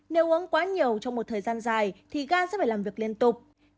nếu uống quá nhiều trong một thời gian dài thì gan sẽ phải làm việc liên tục